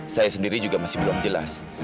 saya sendiri juga masih belum jelas